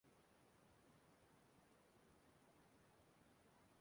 dịka ha siri rịọ